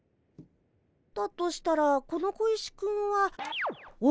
だとしたらこの小石くんは。思い出した！